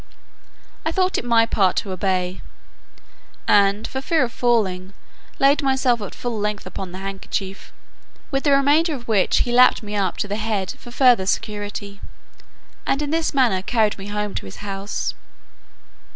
I thought it my part to obey, and, for fear of falling, laid myself at full length upon the handkerchief, with the remainder of which he lapped me up to the head for further security, and in this manner carried me home to his house.